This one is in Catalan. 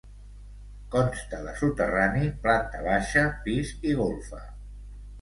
Consta de soterrani, planta baixa, pis i golfa.